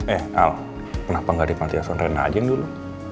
eh al kenapa gak ada panti ason rena ajin dulu